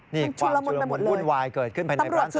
นี่ความชุระมนต์วุ่นวายเกิดขึ้นไปในร้านสะดวกซื้อ